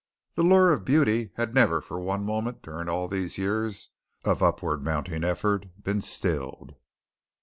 The lure of beauty had never for one moment during all these years of upward mounting effort been stilled.